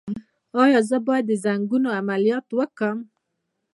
ایا زه باید د زنګون عملیات وکړم؟